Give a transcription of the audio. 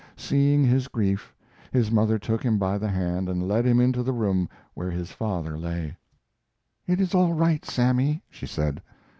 Seeing his grief, his mother took him by the hand and led him into the room where his father lay. "It is all right, Sammy," she said.